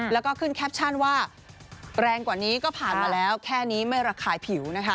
แล้วก็ขึ้นแคปชั่นว่าแรงกว่านี้ก็ผ่านมาแล้วแค่นี้ไม่ระคายผิวนะคะ